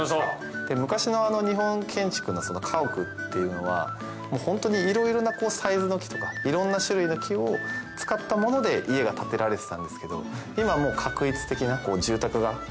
昔の日本建築の家屋っていうのはホントにいろいろなサイズの木とかいろんな種類の木を使ったもので家が建てられてたんですけど。